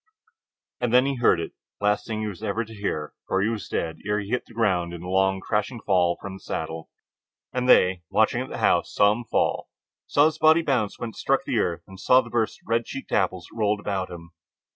And then he heard it, the last thing he was to hear, for he was dead ere he hit the ground in the long crashing fall from the saddle. And they, watching at the house, saw him fall, saw his body bounce when it struck the earth, and saw the burst of red cheeked apples that rolled about him.